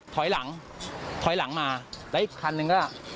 ถอยหลังถอยหลังมาแล้วอีกคันนึงก็